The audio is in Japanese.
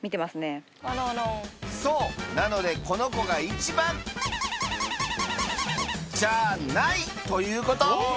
そうなのでこの子が「一番じゃない」ということ！